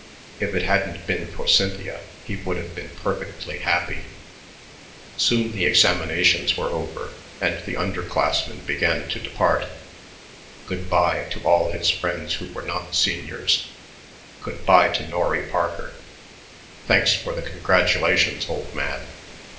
If it hadn't been for Cynthia, he would have been perfectly happy. Soon the examinations were over, and the underclassmen began to depart. Good by to all his friends who were not seniors. Good by to Norry Parker. "Thanks for the congratulations, old man.